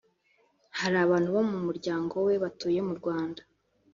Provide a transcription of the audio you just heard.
hari abantu bo mu muryango we batuye mu Rwanda